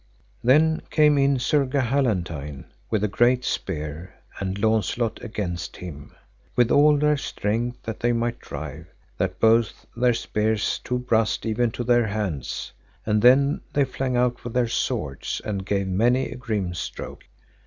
Then came in Sir Gahalantine with a great spear and Launcelot against him, with all their strength that they might drive, that both their spears to brast even to their hands, and then they flang out with their swords and gave many a grim stroke.